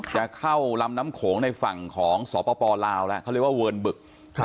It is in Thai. จะเข้าลำน้ำโขงในฝั่งของสปลาวแล้วเขาเรียกว่าเวิร์นบึก